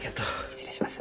失礼します。